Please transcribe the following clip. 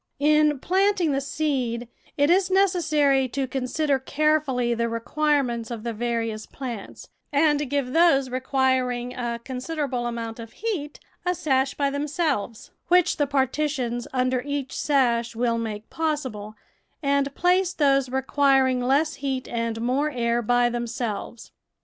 In planting the seed, it is necessary to consider carefully the requirements of the various plants, and give those requiring a considerable amount of heat a sash by themselves, which the partitions under each sash will make possible, and place those requiring less heat and more air by themselves.